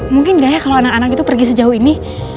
mungkin gaya kalau anak anak itu pergi sejauh ini